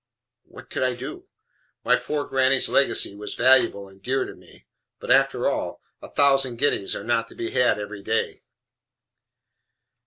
What could I do? My poor granny's legacy was valuable and dear to me, but after all a thousand guineas are not to be had every day.